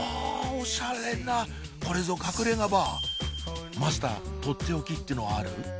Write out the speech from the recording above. おしゃれなこれぞ隠れ家バーマスターとっておきってのある？